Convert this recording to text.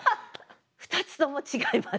２つとも違います。